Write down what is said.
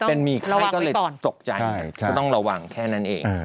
เป็นมีไข้ก็เลยตกใจก็ต้องระวังแค่นั้นเอง